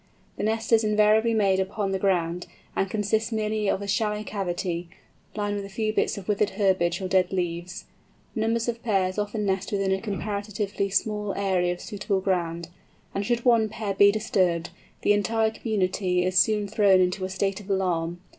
The nest is invariably made upon the ground, and consists merely of a shallow cavity, lined with a few bits of withered herbage or dead leaves. Numbers of pairs often nest within a comparatively small area of suitable ground, and should one pair be disturbed, the entire community is soon thrown into a state of alarm.